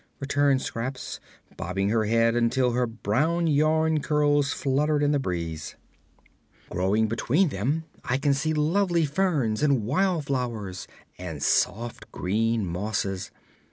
returned Scraps, bobbing her head until her brown yarn curls fluttered in the breeze. "Growing between them I can see lovely ferns and wild flowers, and soft green mosses.